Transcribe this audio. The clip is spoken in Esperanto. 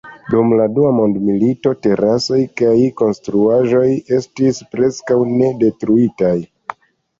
Dum la Dua Mondmilito, teraso kaj konstruaĵoj estis preskaŭ ne detruitaj.